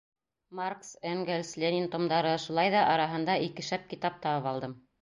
Маркс, Энгельс, Ленин томдары, шулай ҙа араһында ике шәп китап табып алдым.